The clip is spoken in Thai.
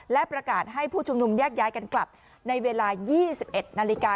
และประกาศให้ผู้ชุมนุมแยกย้ายกันกลับในเวลา๒๑นาฬิกา